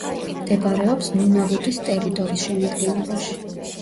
მდებარეობს ნუნავუტის ტერიტორის შემადგენლობაში.